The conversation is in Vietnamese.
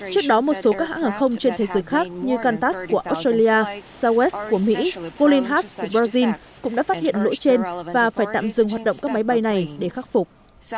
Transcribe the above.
trước đó một số các hãng hàng không trên thế giới khác như qantas của australia south wales của mỹ boeinghass của brazil cũng đã phát hiện lỗi trên và phải tạm dừng hoạt động các máy bay này để khắc phục